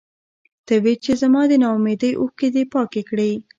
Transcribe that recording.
ته وې چې زما د نا اميدۍ اوښکې دې پاکې کړې.